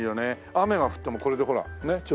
雨が降ってもこれでほらねっ？